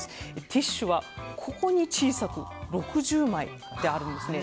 ティッシュは、小さく６０枚ってあるんですね。